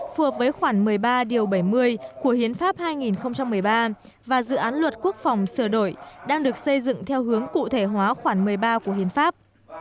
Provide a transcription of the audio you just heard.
phù hợp với khoảng một mươi ba điều bảy mươi của hiến pháp hai nghìn một mươi ba và dự án luật quốc phòng sửa đổi đang được xây dựng theo hướng cụ thể hóa khoảng một mươi ba của hiến pháp